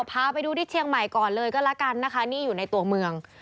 พาไปดูที่เชียงใหม่ก่อนเลยก็แล้วกันนะคะนี่อยู่ในตัวเมือง